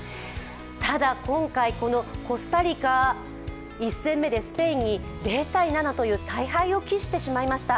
ただ今回、このコスタリカ、１戦目でスペインに０−７という大敗を喫してしまいました。